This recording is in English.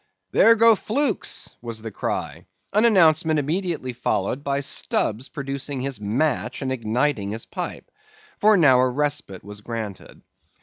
"There go flukes!" was the cry, an announcement immediately followed by Stubb's producing his match and igniting his pipe, for now a respite was granted.